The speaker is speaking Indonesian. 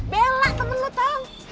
belah temen lo tong